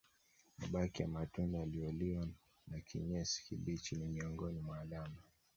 Mabaki ya matunda yaliyoliwa na kinyesi kibichi ni miongoni mwa alama